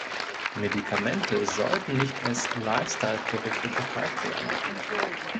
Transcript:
Medikamente sollten nicht als Lifestyle-Produkte verkauft werden.